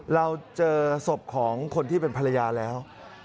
เราเจอศพของคนที่เป็นภรรยาแล้ว